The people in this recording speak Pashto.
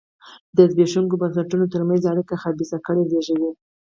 د زبېښونکو بنسټونو ترمنځ اړیکه خبیثه کړۍ زېږوي.